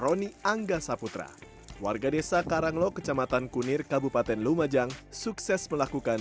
roni angga saputra warga desa karanglo kecamatan kunir kabupaten lumajang sukses melakukan